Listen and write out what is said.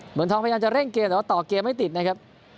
เมืองทองพยายามจะเร่งเกมแต่ว่าต่อเกมไม่ติดนะครับ